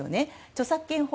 著作権法